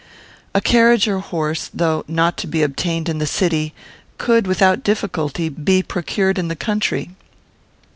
A carriage or horse, though not to be obtained in the city, could, without difficulty, be procured in the country.